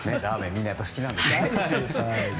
みんな好きなんですね。